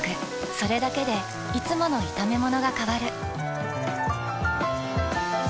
それだけでいつもの炒めものが変わる。